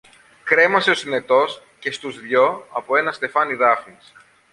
Κρέμασε ο Συνετός και στους δυο από ένα στεφάνι δάφνης.